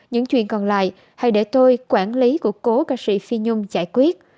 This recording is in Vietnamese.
những chuyện còn lại hay để tôi quản lý của cố ca sĩ phi nhung giải quyết